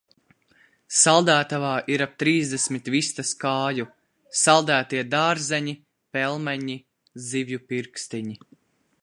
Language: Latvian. Saldētavā ir ap trīsdesmit vistas kāju. Saldētie dārzeņi, pelmeņi, zivju pirkstiņi.